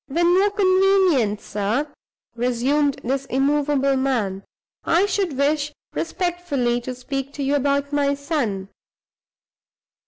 "When more convenient, sir," resumed this immovable man, "I should wish respectfully to speak to you about my son.